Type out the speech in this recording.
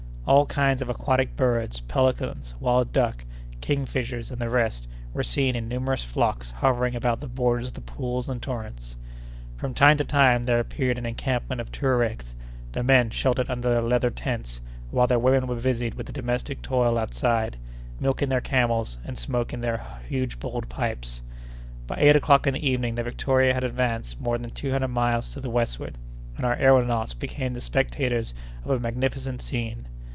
All kinds of aquatic birds—pelicans, wild duck, kingfishers, and the rest—were seen in numerous flocks hovering about the borders of the pools and torrents. From time to time there appeared an encampment of Touaregs, the men sheltered under their leather tents, while their women were busied with the domestic toil outside, milking their camels and smoking their huge bowled pipes. By eight o'clock in the evening the Victoria had advanced more than two hundred miles to the westward, and our aëronauts became the spectators of a magnificent scene.